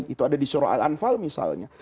itu ada di surah al anfal misalnya